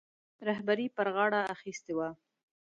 رهبري پر غاړه اخیستې وه.